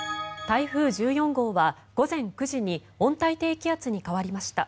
台風１４号は午前９時に温帯低気圧に変わりました。